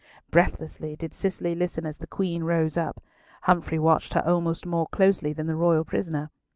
Breathlessly did Cicely listen as the Queen rose up. Humfrey watched her almost more closely than the royal prisoner.